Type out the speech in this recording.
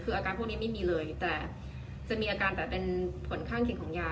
คืออาการพวกนี้ไม่มีเลยแต่จะมีอาการแต่เป็นผลข้างเคียงของยา